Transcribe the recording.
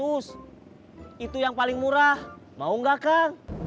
harganya satu sembilan ratus itu yang paling murah mau gak kang